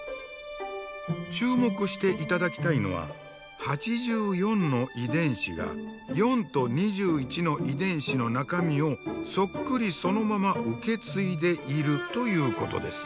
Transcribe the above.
注目して頂きたいのは８４の遺伝子が４と２１の遺伝子の中身をそっくりそのまま受け継いでいるということです。